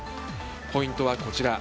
ポイントはこちら。